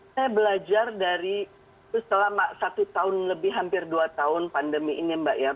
saya belajar dari selama satu tahun lebih hampir dua tahun pandemi ini mbak ya